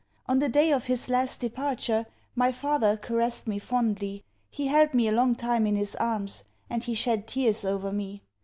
On the day of his last departure, my father caressed me fondly; he held me a long time in his arms; and he shed tears over me.